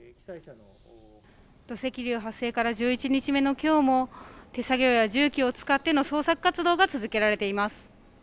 土石流発生から１１日目の今日も手作業や重機を使っての捜索活動が続けられています。